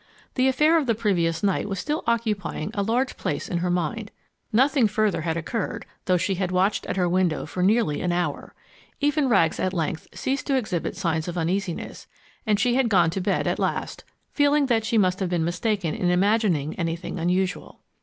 The affair of the previous night was still occupying a large place in her mind. Nothing further had occurred, though she had watched at her window for nearly an hour. Even Rags at length ceased to exhibit signs of uneasiness, and she had gone to bed at last, feeling that she must have been mistaken in imagining anything unusual.